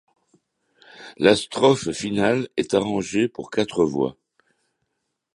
La strophe finale est arrangée pour quatre voix.